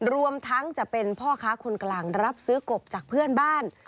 รวมทั้งจะเป็นพ่อค้าคนกลางรับซื้อกบจากเพื่อนบ้าน